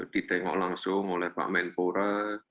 ditengok langsung oleh pak menpora